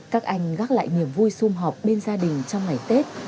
các anh gác lại niềm vui xung họp bên gia đình trong ngày tết